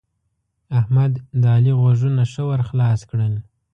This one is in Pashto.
احمد؛ د علي غوږونه ښه ور خلاص کړل.